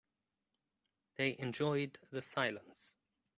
They enjoyed the silence.